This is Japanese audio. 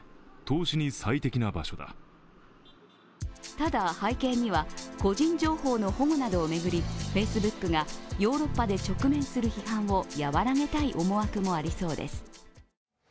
ただ、背景には個人情報の保護などを巡り、Ｆａｃｅｂｏｏｋがヨーロッパで直面する批判を和らげたい思惑もありそうです。